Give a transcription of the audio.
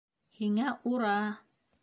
Һиңә -ура!